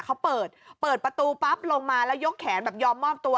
เขาเปิดเปิดประตูปั๊บลงมาแล้วยกแขนแบบยอมมอบตัว